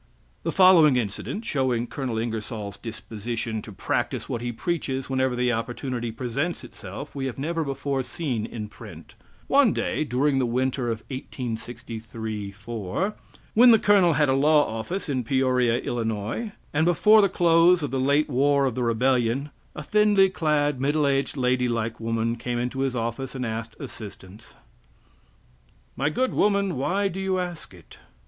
[* The following incident, showing Col. Ingersoll's disposition to practice what he preaches whenever the opportunity presents itself, we have never before seen in print. One day, during the winter of 1863 4, when the colonel had a law office in Peoria. Ill. and before the close of the late war of the rebellion a thinly clad, middle aged, lady like woman came into his office and asked assistance, "My good woman, why do you ask it?"